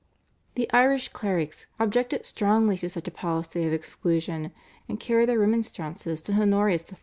The Irish clerics objected strongly to such a policy of exclusion, and carried their remonstrances to Honorius III.